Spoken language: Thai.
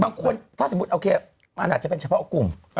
บางคนถ้าสมมุติโอเคมันอาจจะเป็นเฉพาะกลุ่ม